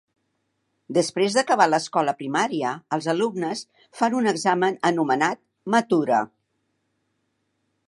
Desprès d'acabar l'escola primària, els alumnes fan un examen anomenat "matura".